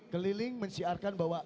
keliling menciarkan bahwa